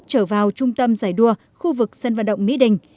trở vào trung tâm giải đua khu vực sân vận động mỹ đình